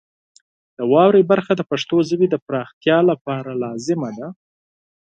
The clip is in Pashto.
د واورئ برخه د پښتو ژبې د پراختیا لپاره لازمه ده.